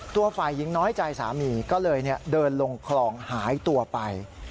ตัวฝ่ายหญิงน้อยใจสามีก็เลยเดินลงคลองหายตัวไป